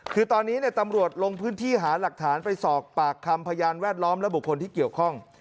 คือตอนนี้ตำรวจลงพื้นที่หาหลักฐานไปสอบปากคำพยานแวดล้อมและบุคคลที่เกี่ยวข้อง